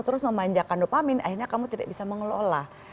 terus memanjakan dopamin akhirnya kamu tidak bisa mengelola